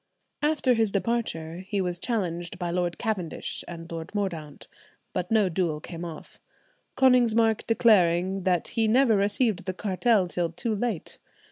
After his departure he was challenged by Lord Cavendish and Lord Mordaunt, but no duel came off, Konigsmark declaring that he never received the cartel till too late.